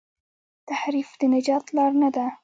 تحریف د نجات لار نه ده.